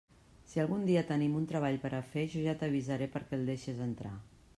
Si algun dia tenim un treball per a fer, jo ja t'avisaré perquè el deixes entrar.